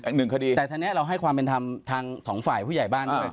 อีกหนึ่งคดีแต่ทีนี้เราให้ความเป็นธรรมทางสองฝ่ายผู้ใหญ่บ้านด้วย